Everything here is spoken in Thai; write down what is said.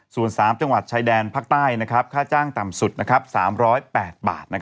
ส่วน๓จังหวัดชายแดนภาคใต้ค่าจ้างต่ำสุด๓๐๘บาท